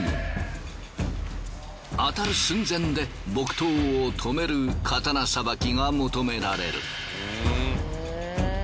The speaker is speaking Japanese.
当たる寸前で木刀を止める刀さばきが求められる。